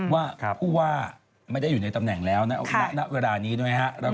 ว่าผู้ว่าไม่ได้อยู่ในตำแหน่งแล้วนะณเวลานี้ด้วยครับ